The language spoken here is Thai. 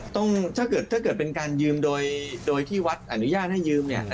ถ้าเกิดเป็นการยืมโดยที่วัดอนุญาตให้ยืม